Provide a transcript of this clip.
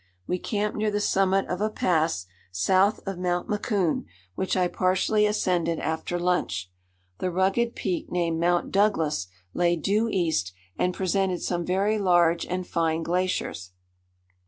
We camped near the summit of a pass south of Mount Macoun, which I partially ascended after lunch. The rugged peak named Mount Douglas lay due east, and presented some very large and fine glaciers.